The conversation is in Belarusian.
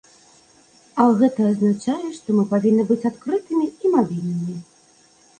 А гэта азначае, што мы павінны быць адкрытымі і мабільнымі.